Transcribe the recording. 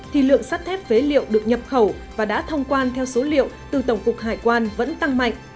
thì lượng sắt thép phế liệu được nhập khẩu và đã thông quan theo số liệu từ tổng cục hải quan vẫn tăng mạnh